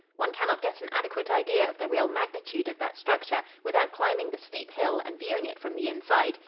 One cannot get an adequate idea of the real magnitude of the structure without climbing the steep hill and viewing it from the inside.